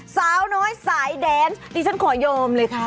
สาวน้อยสายแดนนี่ฉันขอโยมเลยครับ